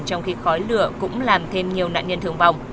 trong khi khói lửa cũng làm thêm nhiều nạn nhân thương vong